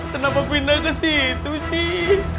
kenapa pindah kesitu sih